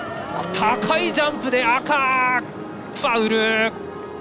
高いジャンプで赤、ファウル！